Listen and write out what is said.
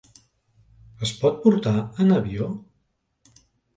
Es pot portar en avió?